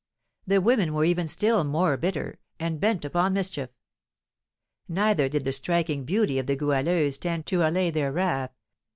The women were even still more bitter, and bent upon mischief. Neither did the striking beauty of the Goualeuse tend to allay their wrath.